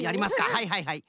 はいはいはい。